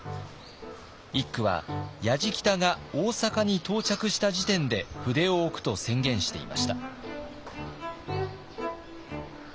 一九はやじきたが大坂に到着した時点で筆を置くと宣言していました。